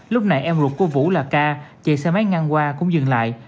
lúc này em ruột của vũ là ca chạy xe máy ngang qua cũng dừng lại